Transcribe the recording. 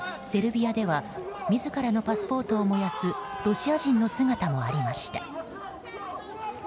セルビアでは自らのパスポートを燃やすロシア人の姿もありました。